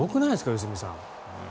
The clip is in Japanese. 良純さん。